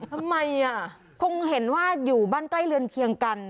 ทำไมคงเห็นว่าอยู่บ้านใกล้เรือนเคียงกัน